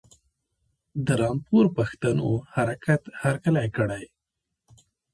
د رامپور پښتنو حرکت هرکلی کړی.